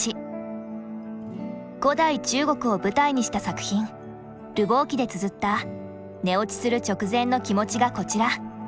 古代中国を舞台にした作品「流亡記」でつづった寝落ちする直前の気持ちがこちら。